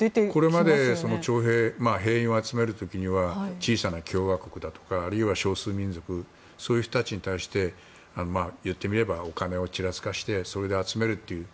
これまで徴兵兵員を集める時には小さな共和国だとかあるいは少数民族そういう人たちに対して言ってみればお金をちらつかせてそれで集めるという。